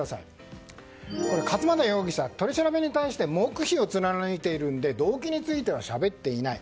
勝又容疑者は取り調べに対して黙秘を貫いているので動機についてはしゃべっていない。